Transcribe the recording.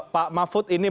pak mahfud ini